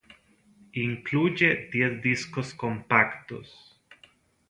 Incluye diez discos compactos.